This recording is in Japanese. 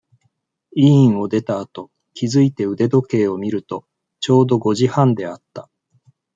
医院を出たあと、気づいて腕時計を見ると、ちょうど、五時半であった。